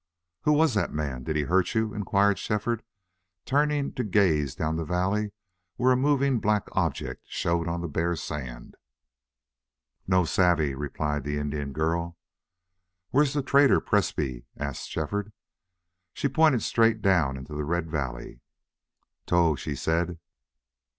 "Who was that man? Did he hurt you?" inquired Shefford, turning to gaze down the valley where a moving black object showed on the bare sand. "No savvy," replied the Indian girl. "Where's the trader Presbrey?" asked Shefford. She pointed straight down into the red valley. "Toh," she said.